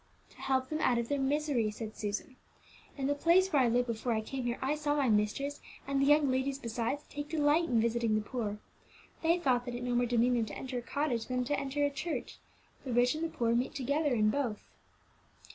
"To help them out of their misery," said Susan. "In the place where I lived before I came here, I saw my mistress, and the young ladies besides, take delight in visiting the poor. They thought that it no more demeaned them to enter a cottage than to enter a church; the rich and the poor meet together in both."